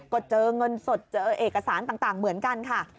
ก็เจอเงินสดเจอเอกสารต่างเหมือนกันค่ะ